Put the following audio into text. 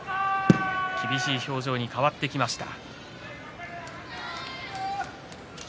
厳しい表情に変わってきました。